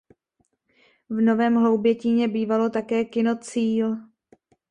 V Novém Hloubětíně bývalo také kino "Cíl".